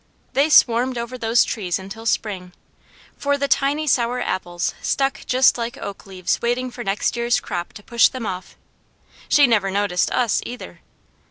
They swarmed over those trees until spring, for the tiny sour apples stuck just like oak leaves waiting for next year's crop to push them off. She never noticed us, either.